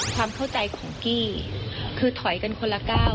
ความเข้าใจของกี้คือถอยกันคนละก้าว